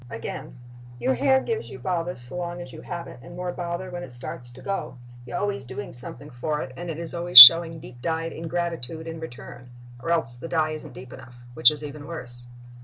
Again: Your hair gives you bother so long as you have it and more bother when it starts to go. You are always doing something for it and it is always showing deep dyed ingratitude in return; or else the dye isn't deep enough, which is even worse.